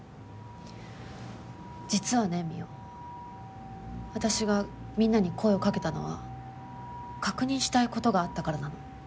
実はね望緒私がみんなに声をかけたのは確認したい事があったからなの。